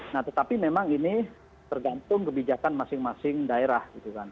nah tetapi memang ini tergantung kebijakan masing masing daerah